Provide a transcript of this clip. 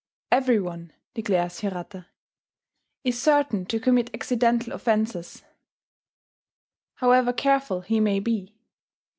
"Every one," declares Hirata, "is certain to commit accidental offences, however careful he may be...